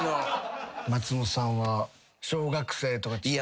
松本さんは小学生とか。